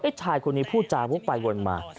ไอ้ชายคนนี้พูดจาพูดไปวนมา